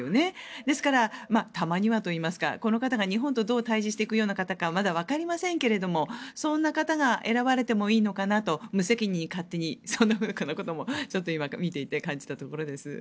ですから、たまにはといいますかこの方が日本とどう対峙していくような方かまだ分かりませんけどそんな方が選ばれてもいいのかなと無責任に、勝手にそんなことも感じたところです。